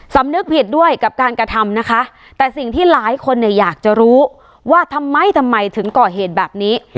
สำนึกผิดด้วยกับการกระทำนะคะแต่สิ่งที่หลายคนเนี่ยอยากจะรู้ว่าทำไมทำไมถึงก่อเหตุแบบนี้